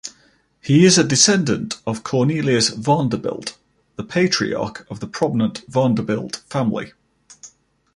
He is a descendant of Cornelius Vanderbilt, the patriarch of the prominent Vanderbilt family.